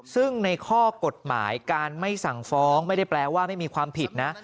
ซึ่งในข้อกฎหมายการไม่สั่งฟ้องไม่ได้แปลว่าไม่มีความผิดนะ